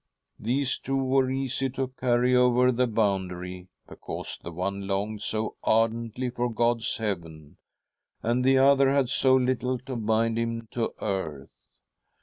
These two were easy to carry over the boundary, because the one longed so ardently for God's heaven, and the other had so little to bind him to earth.